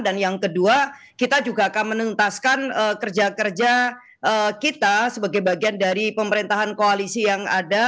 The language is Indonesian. dan yang kedua kita juga akan menentaskan kerja kerja kita sebagai bagian dari pemerintahan koalisi yang ada